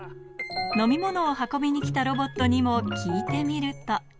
飲み物を運びにきたロボットにも聞いてみると。